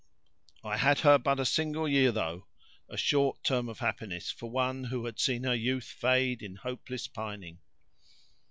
I had her but a single year, though; a short term of happiness for one who had seen her youth fade in hopeless pining."